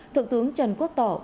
thượng tướng trần quốc tòa